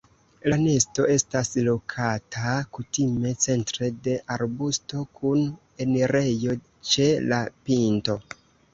La nesto estas lokata kutime centre de arbusto kun enirejo ĉe la pinto.